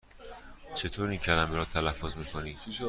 چطور این کلمه را تلفظ می کنی؟